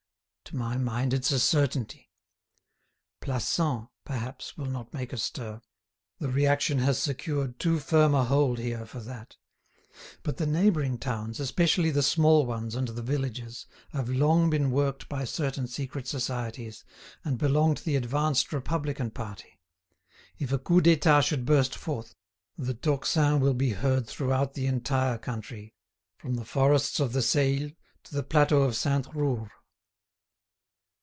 "To my mind it's a certainty. Plassans, perhaps, will not make a stir; the reaction has secured too firm a hold here for that. But the neighbouring towns, especially the small ones and the villages, have long been worked by certain secret societies, and belong to the advanced Republican party. If a Coup d'État should burst forth, the tocsin will be heard throughout the entire country, from the forests of the Seille to the plateau of Sainte Roure."